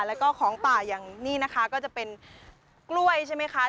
แล้วก็ของป่าอย่างนี้นะคะก็จะเป็นกล้วยใช่ไหมคะ